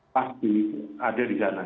pakti ada di kanan